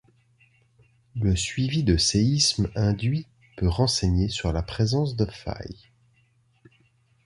Le suivi de séismes induits peut renseigner sur la présence de failles.